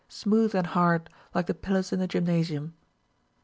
smooth and hard, like the pillars in the gymnasium.